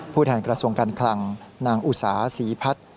แทนกระทรวงการคลังนางอุสาศรีพัฒน์